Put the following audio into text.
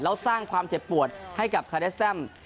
แล้วสร้างความเจ็บปวดให้กับคาเดสแตม